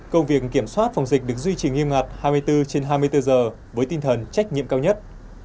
công việc kiểm soát phòng dịch được duy trì nghiêm ngặt hai mươi bốn trên hai mươi bốn giờ với tinh thần trách nhiệm cao nhất